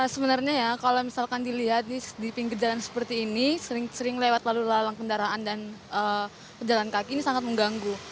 sebenarnya ya kalau misalkan dilihat di pinggir jalan seperti ini sering lewat lalu lalang kendaraan dan pejalan kaki ini sangat mengganggu